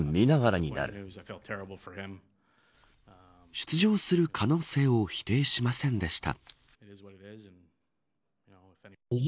出場する可能性を否定しませんでした。